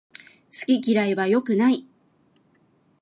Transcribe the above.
好き嫌いは良くない